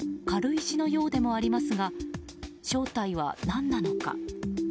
軽石のようでもありますが正体は何なのか？